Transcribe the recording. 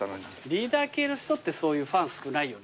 リーダー系の人ってそういうファン少ないよね。